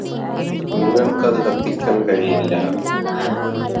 നിങ്ങള്ക്കത് കത്തിക്കാന് കഴിയില്ല